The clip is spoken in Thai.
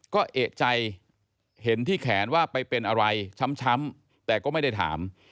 ก็เอกใจเห็นที่แขนว่าไปเป็นอะไรช้ำแต่ก็ไม่ได้ถาม